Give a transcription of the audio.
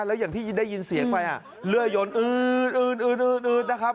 แล้วอย่างที่ได้ยินเสียงไปเลื่อยยนอื่นนะครับ